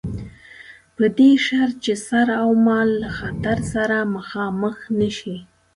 په دې شرط چې سر اومال له خطر سره مخامخ نه شي.